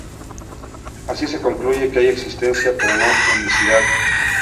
Así se concluye que hay existencia pero no unicidad.